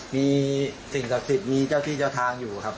มีสิ่งศักดิ์สิทธิ์มีเจ้าที่เจ้าทางอยู่ครับ